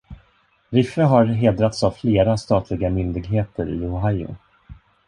Riffe har hedrats av flera statliga myndigheter i Ohio.